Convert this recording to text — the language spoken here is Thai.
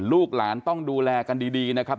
ลูกหลานต้องดูแลกันดีนะครับ